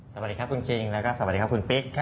สวัสดีครับคุณคิงแล้วก็สวัสดีครับคุณปิ๊ก